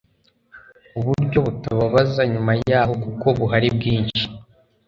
uburyo butababaza nyuma yaho kuko buhari bwinshi.